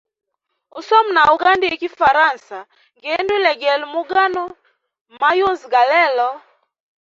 Usoma na ugandia kifaransa ngindu ilegele mu gano mayunzu ga lelo.